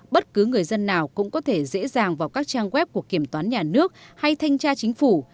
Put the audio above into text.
bất cứ người dân nào cũng có thể dễ dàng vào các trang web của kiểm toán nhà nước hay thanh tra chính phủ